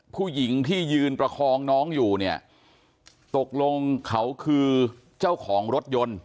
ผู้หญิงที่ยืนประคองน้องอยู่เนี่ยตกลงเขาคือเจ้าของรถยนต์